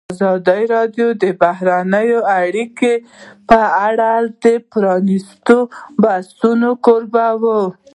ازادي راډیو د بهرنۍ اړیکې په اړه د پرانیستو بحثونو کوربه وه.